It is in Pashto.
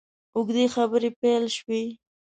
اوږدې خبرې پیل شوې.